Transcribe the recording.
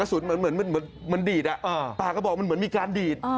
เหมือนมันดีดปากกระบอกมันเหมือนมีการดีด